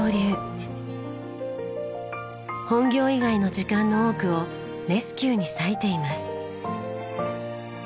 本業以外の時間の多くをレスキューに割いています。